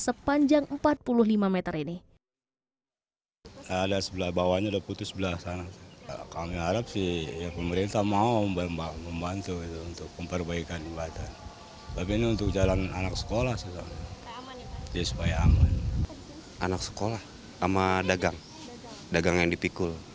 sepanjang empat puluh lima meter ini